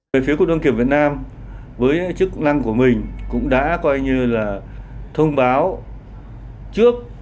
về phía cục đăng kiểm việt nam với chức năng của mình cũng đã coi như là thông báo trước